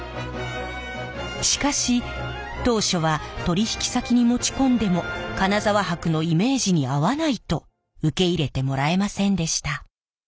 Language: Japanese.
しかし当初は取引先に持ち込んでも金沢箔のイメージに合わないと受け入れてもらえませんでした。